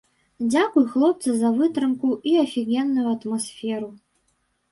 Дзякуй, хлопцы, за вытрымку і афігенную атмасферу.